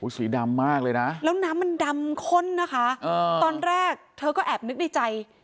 สีดำมากเลยนะแล้วน้ำมันดำข้นนะคะตอนแรกเธอก็แอบนึกในใจ